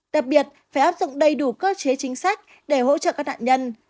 đặc biệt phải áp dụng đầy đủ cơ chế chính sách để hỗ trợ các nạn nhân